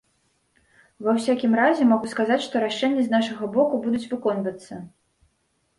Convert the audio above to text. Ва ўсякім разе, магу сказаць, што рашэнні з нашага боку будуць выконвацца.